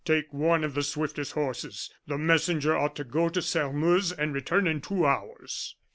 Take one of the swiftest horses. The messenger ought to go to Sairmeuse and return in two hours."